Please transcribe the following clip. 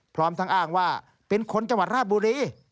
พร้อมทั้งอ้างว่าเป็นคนจังหวัดราชบุรี